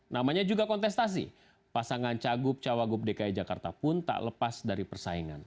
namanya juga kontestasi pasangan cagup cawagup dki jakarta pun tak lepas dari persaingan